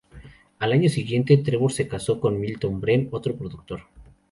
Al año siguiente, Trevor se casó con Milton Bren, otro productor.